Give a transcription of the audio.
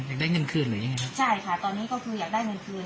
อยากได้เงินคืนหรือยังไงใช่ค่ะตอนนี้ก็คืออยากได้เงินคืน